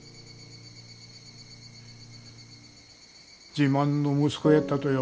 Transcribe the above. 自慢の息子やったとよ。